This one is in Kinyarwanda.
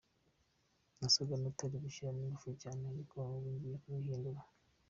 Nasaga n’utari gushyiramo ingufu cyane ariko ubu ngiye kubihindura.